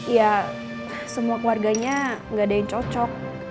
ya semua keluarganya gak ada yang cocok